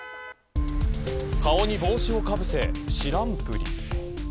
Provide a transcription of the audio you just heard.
顔に帽子をかぶせ、知らんぷり。